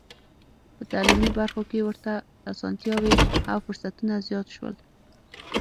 په تعلیمي برخو کې ورته اسانتیاوې او فرصتونه زیات شول.